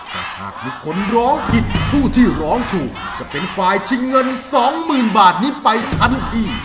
แต่หากมีคนร้องผิดผู้ที่ร้องถูกจะเป็นฝ่ายชิงเงิน๒๐๐๐บาทนี้ไปทันที